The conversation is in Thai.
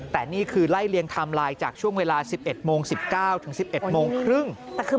แต่นี่คือไล่เลียงไทม์ไลน์จากช่วงเวลา๑๑โมง๑๙ถึง๑๑โมงครึ่ง